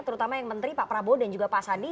terutama yang menteri pak prabowo dan juga pak sandi